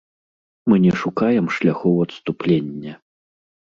Мы не шукаем шляхоў адступлення.